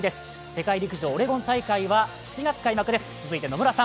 世界陸上オレゴン大会は７月開幕です。